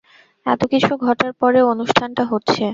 এতোকিছু ঘটার পরেও অনুষ্ঠানটা হচ্ছে।